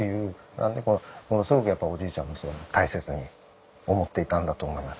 なんでものすごくおじいちゃんも大切に思っていたんだと思いますね。